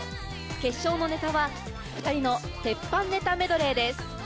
決勝のネタは２人の鉄板ネタメドレーです。